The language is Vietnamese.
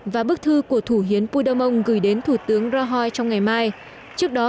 và bức thư của thủ hiến puigdemont gửi đến thủ tướng rajoy trong ngày mai trước đó